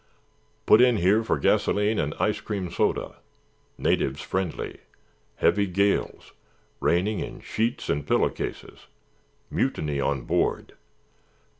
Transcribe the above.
"Put in here for gasoline and ice cream soda. Natives friendly. Heavy gales. Raining in sheets and pillow cases. Mutiny on board.